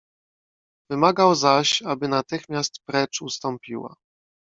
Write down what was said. "Wymagał zaś, aby natychmiast precz ustąpiła."